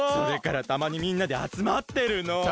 それからたまにみんなであつまってるの。